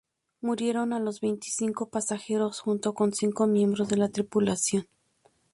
Murieron los veinticinco pasajeros junto con cinco miembros de la tripulación.